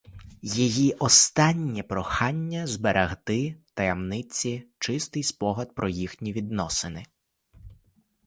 Її останнє прохання — зберегти в таємниці чистий спогад про їхні відносини.